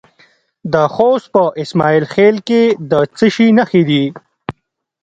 د خوست په اسماعیل خیل کې د څه شي نښې دي؟